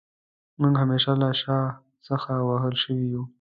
موږ همېشه له شا څخه وهل شوي يو